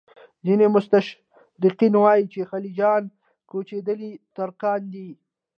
ځینې مستشرقین وایي چې خلجیان کوچېدلي ترکان دي.